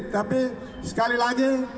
tapi sekali lagi